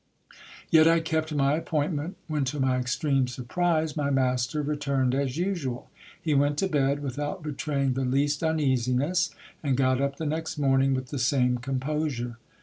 Yet I kept my appointment ; when, to my extreme surprise, my master returned as usual. He went to bed without betraying the least uneasiness, and got up the next morning with the same composure.